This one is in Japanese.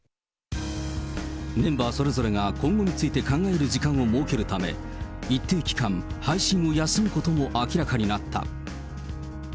メンバーそれぞれが、今後について考える時間を設けるため、一定期間、配信を休むことも明らかになった。